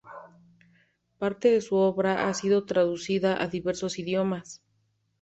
Parte de su obra ha sido traducida a diversos idiomas.